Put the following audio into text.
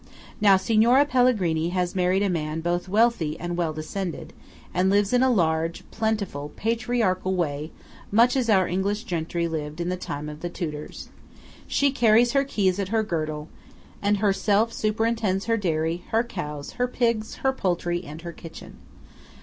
Now Signora Pellegrini has married a man both wealthy and well descended, and lives in a large, plentiful, patriarchal way, much as our English gentry lived in the time of the Tudors. She carries her keys at her girdle, and herself superintends her dairy, her cows, her pigs, her poultry, and her kitchen.